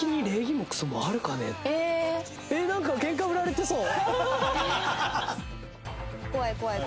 えっなんかケンカ売られてそう。